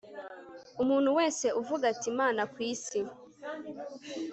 Umuntu wese uvuga ati Imana kwisi